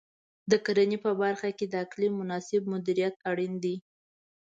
د کرنې په برخه کې د اقلیم مناسب مدیریت اړین دی.